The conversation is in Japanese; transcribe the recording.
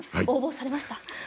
応募されました？